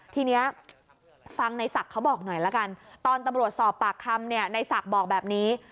ทีนี้ฟังในศักดิ์เขาบอกหน่อยละกันตอนตำรวจสอบปากคำเนี่ยในศักดิ์บอกแบบนี้